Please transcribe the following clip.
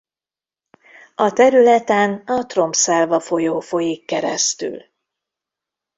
A területen a Tromselva-folyó folyik keresztül.